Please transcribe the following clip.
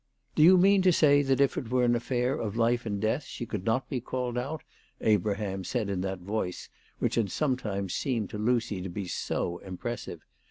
" Do you mean to say that if it were an affair of life and death she could not be called out?" Abraham asked in that voice which had sometimes seemed to Lucy to be so impressive.